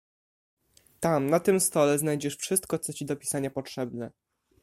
"Tam, na tym stole znajdziesz wszystko, co ci do pisania potrzebne."